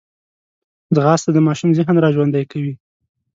ځغاسته د ماشوم ذهن راژوندی کوي